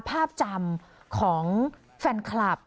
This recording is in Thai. ภาพจำของแฟนคลับ